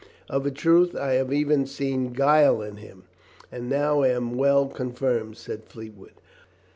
"Of a truth I have ever seen guile in liim, and now am well confirmed," said Fleetwood.